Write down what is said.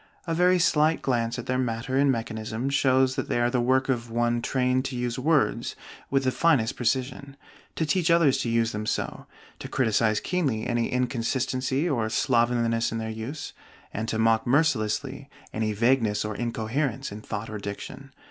A very slight glance at their matter and mechanism shows that they are the work of one trained to use words with the finest precision, to teach others to use them so, to criticize keenly any inconsistency or slovenliness in their use, and to mock mercilessly any vagueness or incoherence in thought or diction.